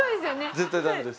絶対ダメです。